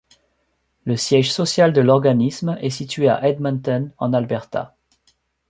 Le siège social de l'organisme est situé à Edmonton, en Alberta.